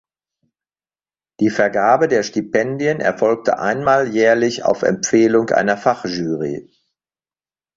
Die Vergabe der Stipendien erfolgte einmal jährlich auf Empfehlung einer Fachjury.